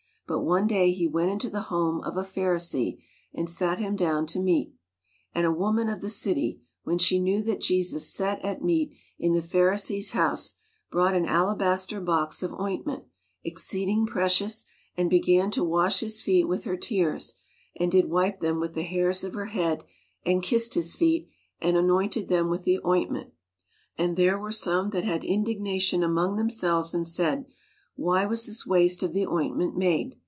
But one day he went into the home of a Pharisee and sat him down to meat. And a woman of the city, when she knew that Jesus sat at meat in the Pharisee's house, brought an alabaster box of ointment, ex ceeding precious, and began to wash his feet with her tears, and did wipe them with the hairs of her head, and kissed his feet, and anointed them with the ointment. And there were some that had indignation among them selves, and said, Why was this waste of the ointment made?